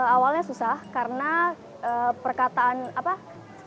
awalnya susah karena perkataan apa